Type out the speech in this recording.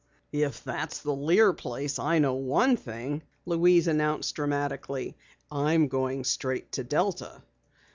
"If that's the Lear place I know one thing!" Louise announced dramatically. "I'm going straight on to Delta."